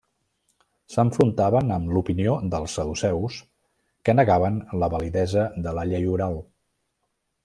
S'enfrontaven amb l'opinió dels saduceus que negaven la validesa de la llei oral.